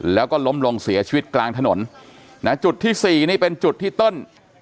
แล้วก็ล้มลงเสียชีวิตกลางถนนนะจุดที่สี่นี่เป็นจุดที่เติ้ล